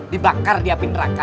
dibakar di api neraka